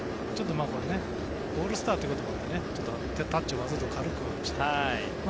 オールスターということもあってタッチをわざと軽くしたんですね。